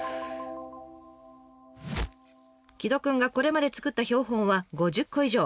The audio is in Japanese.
城戸くんがこれまで作った標本は５０個以上。